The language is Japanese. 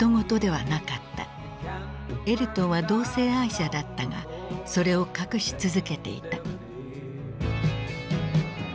エルトンは同性愛者だったがそれを隠し続けていた。